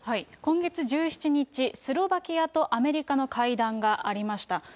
今月１７日、スロバキアとアメリカの会談がありました。